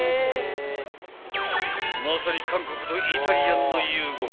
［まさに韓国とイタリアンの融合！］